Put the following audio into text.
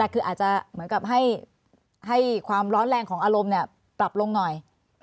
คืออาจจะเหมือนกับให้ความร้อนแรงของอารมณ์ปรับลงหน่อย